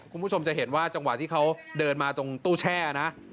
คุณผู้ชมจะเห็นว่าจังหวะที่เขาเดินมาตรงตู้แช่นะ